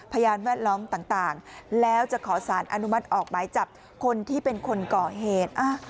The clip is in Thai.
พยานแวดล้อมต่างแล้วจะขอสารอนุมัติออกหมายจับคนที่เป็นคนก่อเหตุ